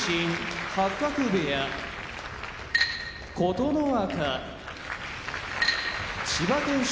八角部屋琴ノ若千葉県出身